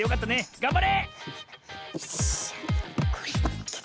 がんばれ！